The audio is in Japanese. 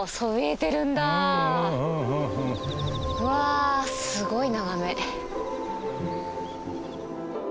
わあすごい眺め。